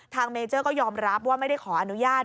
เมเจอร์ก็ยอมรับว่าไม่ได้ขออนุญาต